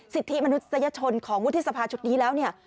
สิทธิมนุษยชนของวุฒิสภาชุดนี้แล้วเนี่ย